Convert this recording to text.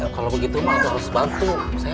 kalau begitu maka harus bantu